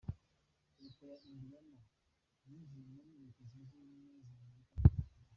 Leta ya Indiana yinjiye muri Leta zunze ubumwe za Amerika nka leta ya .